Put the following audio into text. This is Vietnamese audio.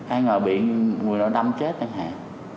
ai ngờ bị người nào đâm chết chẳng hạn